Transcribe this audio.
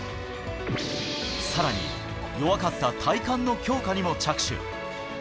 さらに弱かった体幹の強化にも着手。